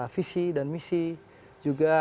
visi dan misi juga